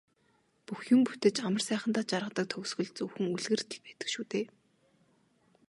Бүх юм бүтэж амар сайхандаа жаргадаг төгсгөл зөвхөн үлгэрт л байдаг шүү дээ.